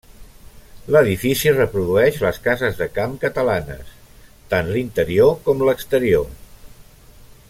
L'edifici reprodueix les cases de camp catalanes, tant l'interior com l'exterior.